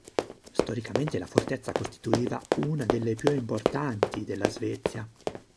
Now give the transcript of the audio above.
Storicamente, la fortezza costituiva una delle più importanti della Svezia.